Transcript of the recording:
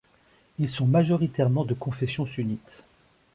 Ils sont majoritairement de confession sunnite.